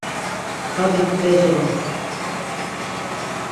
Badik becğams.